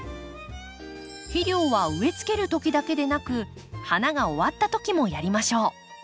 肥料は植えつけるときだけでなく花が終わったときもやりましょう。